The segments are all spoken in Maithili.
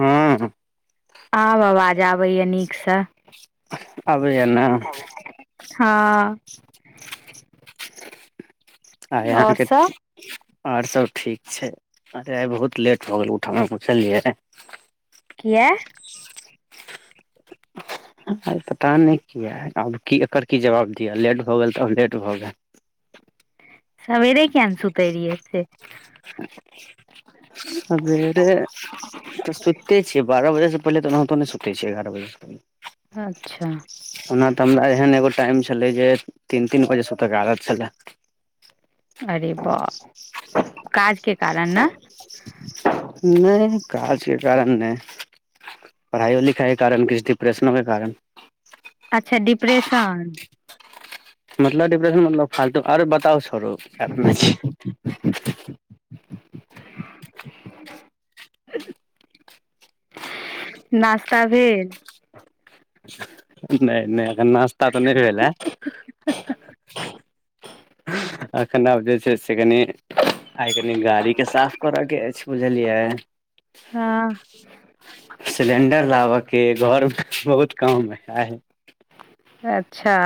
हूँ आब आवाज आबैया नीकसँ आबैया ने हँ आई और अहाँके सब आर सब ठीक छै अरे आइ बहुत लेट भ गेल उठुलियै किया [inaudible] आब आई पता नहि किया आब कि एकर की जवाब दिअ लेट भऽ गेल तऽ अब लेट भऽ गेल सवेरे किया न सुतैरहिए से सबेरे तऽ सुतते छियै बारह बजेसँ पहिले तऽ ओनाहितो नहि सुतै छियै एगारह बजेसँ पहिले अच्छा ओना तऽ हमरा एहन एगो टाइम छलै जे तीन तीन बजे सूते कऽ आदत छलै अरे बाह काज के कारण ने नहि काजके कारण नहि पढ़ाइय लिखाई के कारण किछु डिप्रेशनो के कारण अच्छा डिप्रेशन मतलब डिप्रेशन मतलब फालतू आरो बताउ छोरु ऐप में छी [inaudible] नाश्ता भेल? नहि नहि, एखन नाश्ता तऽ नहि भेल ह अखन आब जे छै से कनि, आइ कनि गाड़ीके साफ करयके अछि, बुझलियै। हँ। सिलेंडर लाबऽके हँ, घरमे बहुत कम है हँ। अच्छा।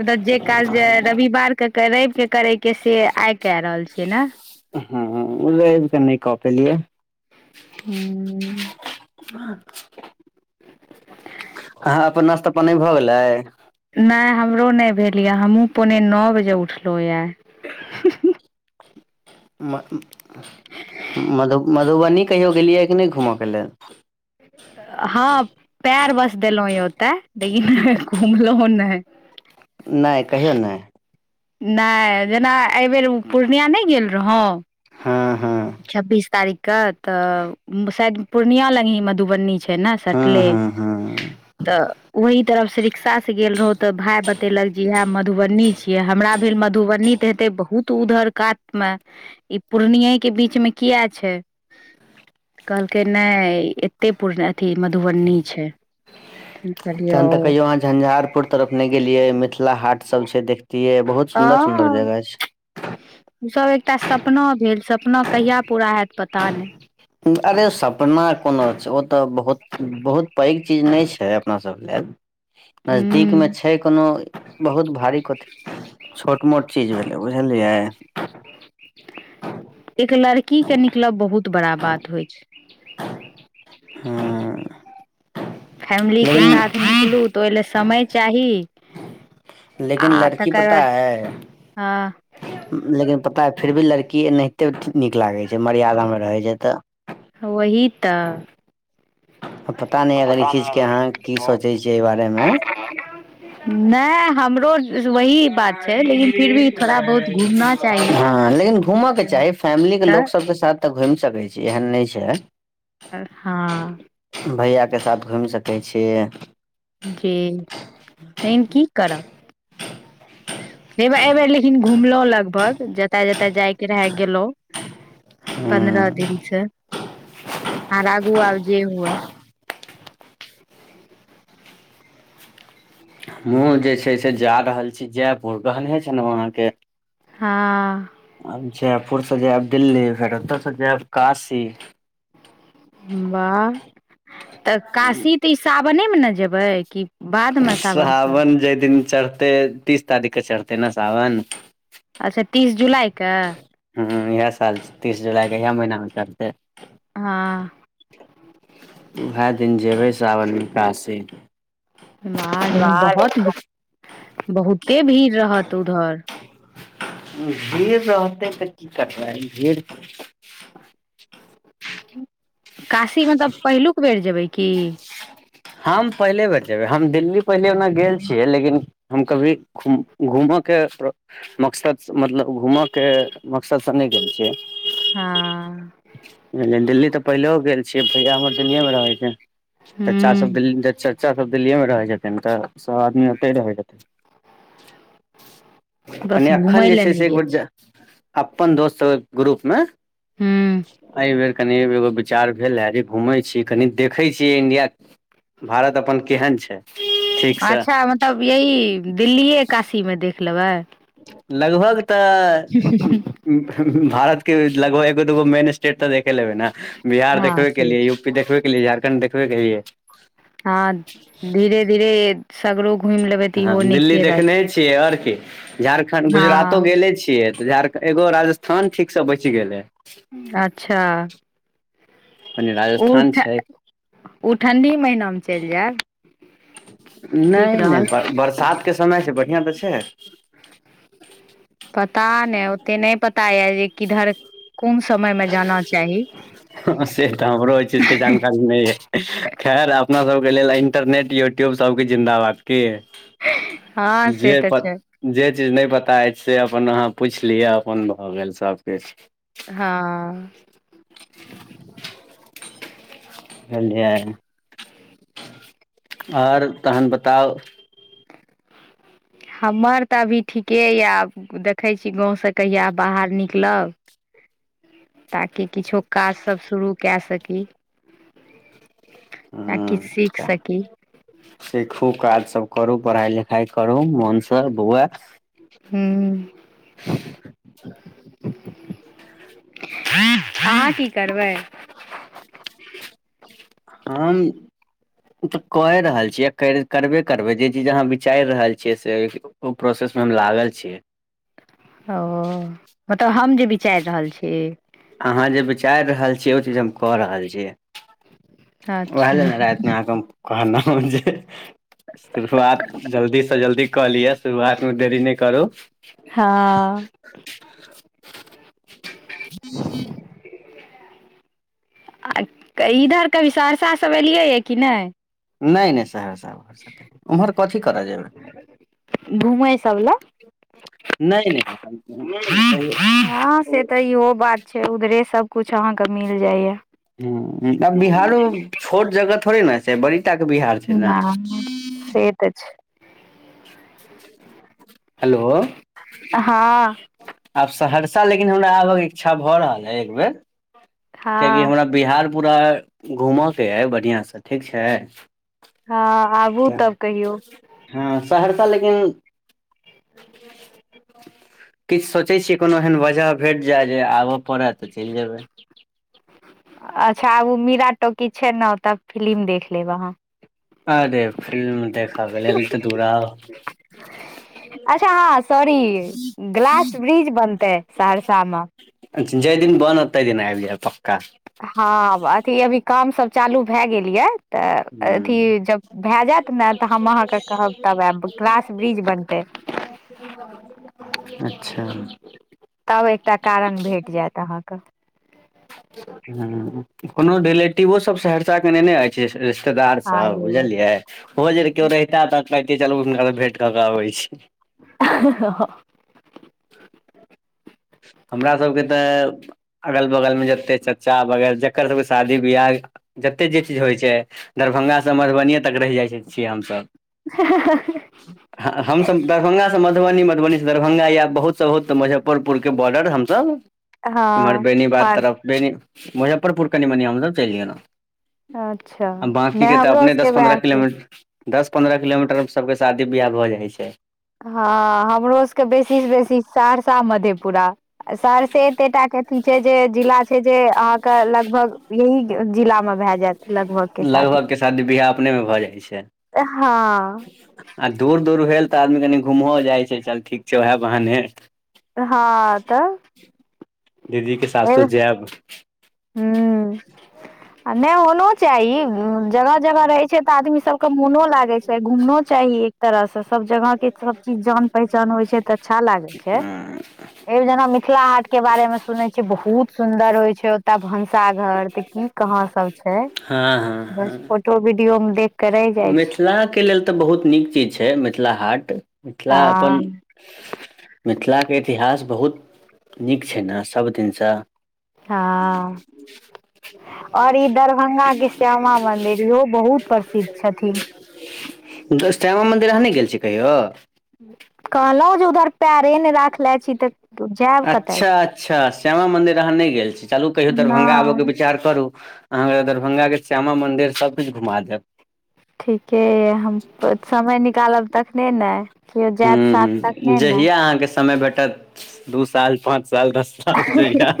मतलब जे काज रविदिन करैके से आइ कऽ रहल छियै ने। हँउ न कॉपे लियए हू। हँ। अपन नाश्ता पानी भऽ गेलै? नहि हमरो नहि भेल यऽ। हमहूँ पौने नओ बजे उठलहुँ यए। म [unintelligible] ह मधु मधुबनी कहियो गेलियै या कि नहि घूमयके लेल? हँ। पैर बस देलहुँ ये ओते लेकिन घुमलहु नहि। नहि, कहियौ नहि। नहि जेना एहिबेर ओ पूर्णिया नहि गेल रहू हँ हँ छब्बीस तारीखके तऽ शायद पूर्णिया लग ही मधुबनी छै। केना हँ सटलै। हँ हँ तऽ ओहि तरफ से रिक्शा से गेल रहौ तऽ भाय बतेलक जे इहा मधुबनी छियै हमरा भेल मधुबनी त हेतै बहुत उधर कात मे ई पूर्णिये के बीच मे किया छै। कहलकै नहि एते पूर्ण अथी मधुबनी छै। कहलियै तहन तऽ ओ कहियो अहाँ झंझारपुर तरफ नहि गेलियै। मिथिला हाट सभ छै। देखतियै बहुत स सुन्दर सुन्दर जगा छै। ओसभ एकटा सपना भेल सपना कहिया पूरा होयत पता नहि। अरे सपना कोनो छै। ओ तऽ बहुत बहुत पैघ चीज नहि छै। अपना सभ लेल हूँ नजदीकमे छै कोनो बहुत भारीथ काथि, छोट मोट चीज भेलै, बुझलियै? एक लड़की के निकलब बहुत बड़ा बात होइ छै। हँ। फैमिलीके लेकिन साथ निकलू तऽ ओहि लेल समय चाही। लेकिन आ लड़की तकर पता बाद आइ हँ लेकिन पता फिर भी लड़की एनाहिते नीक लागे छै मर्यादा मे रहै छै तऽ। वही तऽ। आ नहि अगर ई पता चीज के अहाँ की नै सोचै छियै एहि बारे मे अखन ह नहि हमरो। बात छै लेकिन फिर भी थोड़ा बहुत घूमना चाही हँ, लेकिन घुमऽ के चाही। फैमिली के लोक तऽ सभके साथ तऽ घुमि सकै छी एहन नहि छै हँ। भैयाके साथ घुमि सकै छियै? जी एहिन की करब। हैबा एहिबेर लेकिन घुमलहुँ लगभग जतय-जतय जायके रहय गेलहुँ पन्द्रह हूँ दिन छै आर आगू आब जे हुए। हमहुँ जे छै से जा रहल छी, जयपुर कहने छै ने वहाँके। हँ। आब जयपुर से जाएब दिल्ली, फेरोतर से जाएब काशी। वाह तऽ काशी तऽ ई सावनेमे ने जेबै? बादमे सावनसँ सावन जाहि दिन चढ़तै तीस तारीखके चढ़तै ने सावन? अच्छा तीस जुलाइके हँ इएह साल छै तीस जुलाइके इएह महीनामे चढ़तै हँ उएह दिन जेबै सावन मे कासी माँ लेकिन बहुत बहुते भीड़ रहत उधर भीड़ रहतै त कि करबै भीड़ काशी मतलब पहिलुक बेर जेबै की हम पहिले बेर जेबै हम दिल्ली पहिले ओना गेल छियै लेकिन हम कभी घुम घूमय के मकसद सँ मतलब घूमयके मकसदसँ नहि गेल छियै हँ ब दिल्ली त पहिलो गेल छियै भैया हमर दिल्ली मे रहै छै चा हूँ बलिंदर चच्चा सब दिल्ली मे रहै छथिन त सभ आदमी ओते रहै छथिन [inaudible] बस कनी अखन घूमय जे लए छै नहि से एक बेर गेल छी ज अपन दोस्त सबके ग्रुप मे हूँ एहि बेर कनि एगो विचार भेल न घूमे छी कनी देखे छी इंडिया भारत अपन केहन छै ठीक से अच्छा मतलब यही दिल्लिए काशीमे देख लेबै लगभग त भारत के लगभग एगो दूगो मेन स्टेट तऽ देखे लेबै ने बिहार हँ देखबे के से लिए छै युप देखबे के लिए झारखण्ड देखबे के लिए हँ धीरे धीरे सगरो घुमि लेबै त इहो नीके रहत छिय ओर की झारखंड गुजरातो हँ गेले छियै बिहार के एगो राजस्थान ठीक से बचि गेलै अच्छा कनि ओ राजस्थान ठ छै ओ ठण्डी महीनामे चलि जायब ने ठीक ने रहत बरसात के समय छै बढ़िया त छै पता नय ओतेक नय पता ये जे किधर कोन समय मे जाना चाही हाँ से तऽ हमरो एहि चीज के जानकारी नहि यै खैर अपना सबके लेल इंटरनेट यूट्- कियो सबके जिन्दाबाद की हँ से जे तऽ पत छै जे चीज नय पता अछि से अपन अहाँ पुछि लिअ अपन भ गेल सभ किछ हँ बुझलिये आओर तहन बताउ हमर तऽ अभी ठीके यऽ आब देखै छी गाँवसँ कहिया बाहर निकलब ताकि किछो काजसभ शुरू कए सकी ताकि सीख ह सकी सीखू काज सब करू पढ़ाइ लिखाउ करू मोनसँ बौआ हूँ अहाँ की करबै हम ओ त कए रहल छियै करबे करबै जे चीज अहाँ विचारि रहल छियै से ओ प्रोसेस में हम लागल छीयै ओ मतलब हम जे विचारि रहल छी अहाँ जे विचारि रहल छीयै ओ चीज हम क रहल छियै वएह अच्छा लेल ने रातिमे अहाँके हम कहलौ जे शुरुआत जल्दी सँ जल्दी क लिअ शुरुआतमे देरी नहि करू हँ [inaudible] इधर कभी सहरसा सब एलियै ये कि नय ने ने सहरसा उहरसा उमहर कथी करे जेबै घूमै सब लए ने ने ने अभी हँ से त इहो बात छै उधरे सब कुछ अहाँ के मिल जातय हँ आब बिहारो छोट जगह थोड़े ने छै बड़ी तक बिहार ने से तऽ छै हेलो हँ आब सहरसा लेकिन हमरा आबयक इच्छा भ रहले हइ एकबेर कियाकि हँ हमरा बिहार पूरा घूमयके अइ बढ़ियाँ सँठीक छै हँ आबू तब त कहियौ हँ सहरसा लेकिन [unintelligible] किछ सोचै छियै कोनो एहन वजह भेट जाय जे आबय पड़त ते चल जेबै अच्छा आब ओ मीरा टॉकीज छै ने ओतब फिलिम देख लेब अहाँ अरे फिल्म देखऽके लेल एतेऽ दूरा आउ अच्छा हँ सॉरी ग्लास ब्रिज बनते सहरसा मे जाहि दिन बनत तहि दिन आबि जायब पक्का हँ अथी अभी कामसभ चालू भए गेल यै त अथी जब भए जायत ने त हम अहाँ के कहब तब आयब गलास ब्रिज बनतै अच्छा तब एकटा कारण भेट जायत अहाँ क ह कोनो रिलेटिवो सब सहरसा केनेय छै रिश्तेदार हँ सब एबै। बुझलियै हो जे केओ रहिता त कहते चलू हुनकर भेंट क के अबै छी [unintelligible] हमरा सबके त अगल बगल मे जते चाह बगैर जकर सबके शादी बियाह जते जे चीज होइ छै दरभंगा सँ मधुबनिये तक रहि जाइ छियै हम सभ हाँ ही हाँ [inaudible] हँ हमसब दरभंगा से मधुबनी मधुबनी से दरभंगा याब बहुत सब बहुत मुजफ्फरपुर के बॉर्डर हमसभ इम्हर हँ बेनीबाद पार्क तरफ बेैनी मुजफ्फरपुर कनि मनि हम सब चलि गेलौ अच्छा आ बाकी नहि के त हमरो अपने दस सबके पन्द्रह वएह छै किलोमीटर दस पन्द्रह किलोमीटर सभके शादी बियाह भऽ जाइ छै हँ हमरो सबके बेसी से बेसी सहरसा मधेपुरा सहरसे एतेटा के अथी छै जे जिला छै जे अहाँके लगभग यह जिला मे भाए जायत लगभग के शादी लगभग के शादी बियाह अपने मे भ जाइ छै हँ आ दूर दूर भेल त आदमी कनि घूमहो जाइ छै चल ठीक छै वएह बहानेे हँ त दीदी के सासुर जायब हूँ आ नहि होनो चाही जगह जगह रहै छै तऽ आदमीसभ के मोनो लागे छै घुमनो चाही एक तरह से सब जगह के सब चीज जान पहचान होइ छै तऽ अच्छा लागै छै हँ ए जेना मिथिला हाट के बारे में सुने छी बहुत सुंदर होय छै ओत भनसाघर त की कहाँ सब छै हँ ब हँ फोटो वीडियो मे देख के रहि जाय छी मिथिलाके लेल तऽ बहुत नीक चीज छै, मिथिला हाट, मिथिला अपन। हँ मिथिलाके इतिहास बहुत नीक छै ने, सभदिनसँ। हँ। आओर ई दरभंगा के श्यामा मंदिर इहो बहुत प्रसिद्ध छथिन श्यामा मन्दिर अहाँ नहि गेल छियै कहियो। कहलहूँ जे उधर पैरे ने रख ले छी तऽ जायब कतय अच्छा से। अच्छा श्यामा मन्दिर अहाँ नहि गेल छी चलू कहियो दरभंगा आबके नहि विचार करू अहाँके दरभंगाके श्यामा मन्दिर सभ किछु घुमा देब। ठीके यऽ, हम समय निकालब तखने ने। केओ जायत साथ हूँ-हूँ, तखने ने जहिया अहाँके समय भेटत। दू साल, पाँच साल, दस साल जइया।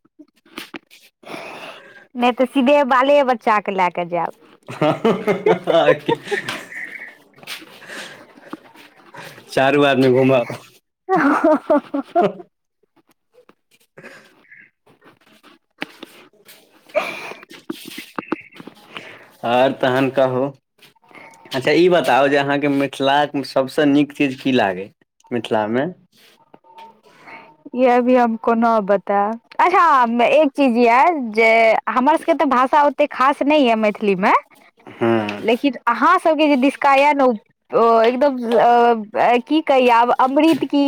[unintelligible] नहि तऽ सीधे बाल-बच्चाके लऽ कऽ जायब। आ [unintelligible] चारू आदमी घुमब ह ह [unintelligible] [unintelligible] [inaudible] आओर तहन कहु अच्छा, ई बताउ जे अहाँके मिथिलामे सभसँ नीक चीज की लागै? मिथिलामे। अभी हम नहि बता रहल छी, अच्छा, एक चीज यऽ। हमर सब के त भाषा ओते खास नय य मैथिली मे हँ लेकिन सभ दिसके ने, ओ एकदम की कहि आब, अमृत की?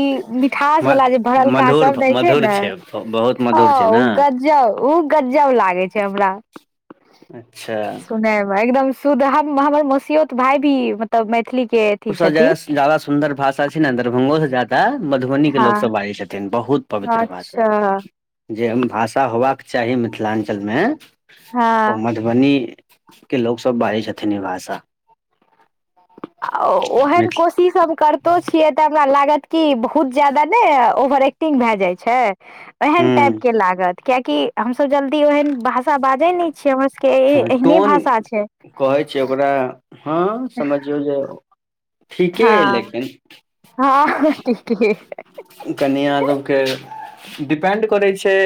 म खासवाला जे भरलका मधुर सभ दै छै मधुर ने, बहुत मधुर छै ने ओ गजबे छै। गजबे लागै छै हमरा अच्छा सुनऽमे एकदम। शुद्ध हम, हमर ममिऔत भाइ भी मतलब मैथिलीके। ओ सभ ज्यादा सुन्दर भाषा छै ने, दरभंगासँ ज्यादा मधुबनीके हँ लोक सभ बजै छथिन बहुत। पवित्र भाषा अच्छा। जे भाषा होबाक चाही मिथिलांचलमे, हँ ओ। मधुबनीके लोक सभ बाजै छथिन ई भाषा। आ ओहन मिथ को। जे सभ हम करतो छियै तऽ हमरा लगै छै कऽ बहुत ज्यादा ने, ओवर एक्टिंग भऽ जाय छै। ओहन हूँ टाइपके लागत, कियाकि हमसँ जल्दी ओहन भा। भाषा बाजै ने छियै, हमर सभके एहने भाषा छै। कहैत छै ओकरा, हँ, बुझियौ जे ठीके अछि, हँ लेकिन। हँ। [unintelligible] कनिआँ सभके डिपेन्ड करै छै।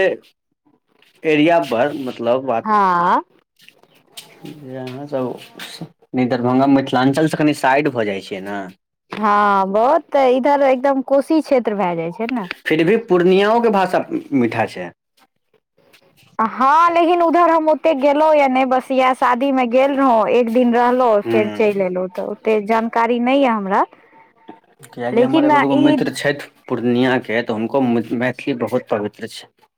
एरिया पर, मतलब बात। हँ [inaudible] जे अहाँ सभ दरभंगा, मिथिलांचलसँ कनि साइड भऽ जाइ छियै ने। हँ, बहुत इधर एकदम कोशी क्षेत्र भऽ जाइ छै ने। फेरो पूर्णियाक भाषा मीठा छै। हँ, लेकिन उधर हम ओते गेलहुँ या नहि, बस ई शादीमे गेल रहौ। एक दिन रहलहुँ, फेर चलि ह एलहुँ तऽ ओते जानकारी नहि अछि हमरा। कियाकि हमर लेकिन एगो-दुगो ई मित्र छथि। पूर्णियाके तऽ हुनको मैथिली बहुत पवित्र छै।